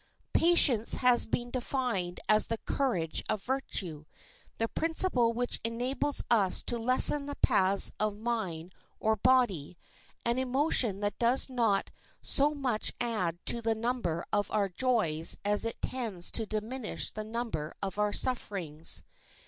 Patience has been defined as the "courage of virtue;" the principle which enables us to lessen the pains of mind or body; an emotion that does not so much add to the number of our joys as it tends to diminish the number of our sufferings.